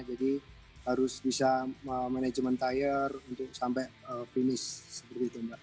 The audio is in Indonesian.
jadi harus bisa manajemen tire untuk sampai finish